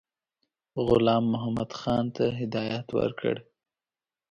غلام محمدخان ته هدایت ورکړ.